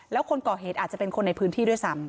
แล้วคนก่อเหตุอาจจะเป็นคนในพื้นที่ด้วยซ้ำ